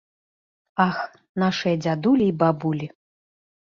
Ах, нашыя дзядулі і бабулі!